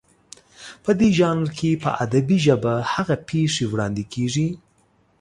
په دې ژانر کې په ادبي ژبه هغه پېښې وړاندې کېږي